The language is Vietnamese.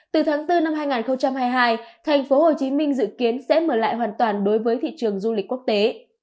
từ tháng bốn năm hai nghìn hai mươi hai thành phố hồ chí minh dự kiến sẽ mở lại hoàn toàn đối với thị trường du lịch quốc tế